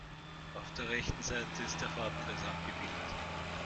Auf der rechten Seite ist der Farbkreis abgebildet.